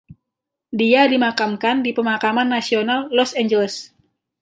Dia dimakamkan di Pemakaman Nasional Los Angeles.